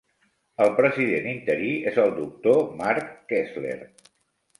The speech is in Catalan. El president interí és el Doctor Mark Kessler.